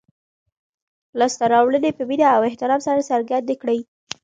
لاسته راوړنې په مینه او احترام سره څرګندې کړئ.